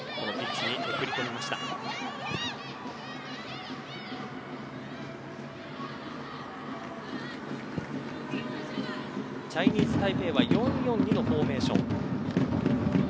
チャイニーズタイペイは４‐４‐２のフォーメーション。